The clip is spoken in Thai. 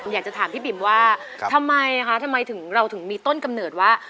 อยากจะถามพี่บิ๋มว่าทำไมเราถึงมีต้นกำเนิดว่า